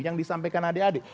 yang disampaikan adik adik